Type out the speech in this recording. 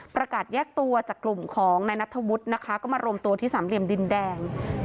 แยกตัวจากกลุ่มของนายนัทธวุฒินะคะก็มารวมตัวที่สามเหลี่ยมดินแดง